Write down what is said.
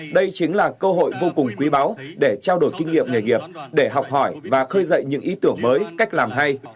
đây chính là cơ hội vô cùng quý báu để trao đổi kinh nghiệm nghề nghiệp để học hỏi và khơi dậy những ý tưởng mới cách làm hay